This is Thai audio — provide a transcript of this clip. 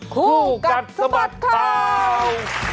คู่กัดสะบัดข่าว